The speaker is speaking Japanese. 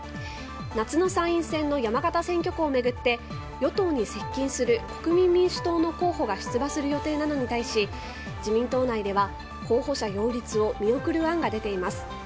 夏の参院選の山形選挙区を巡って与党に接近する国民民主党の候補が出馬する予定なのに対し自民党内では候補者擁立を見送る案が出ています。